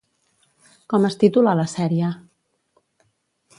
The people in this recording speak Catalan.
Com es titula la sèrie?